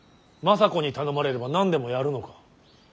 政子に頼まれれば何でもやるのか。